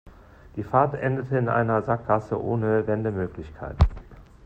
Die Fahrt endete in einer Sackgasse ohne Wendemöglichkeit.